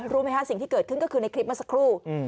รู้ไหมฮะสิ่งที่เกิดขึ้นก็คือในคลิปเมื่อสักครู่